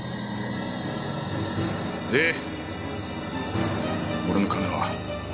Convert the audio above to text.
で俺の金は？